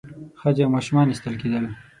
ښځې او ماشومان ایستل کېدل.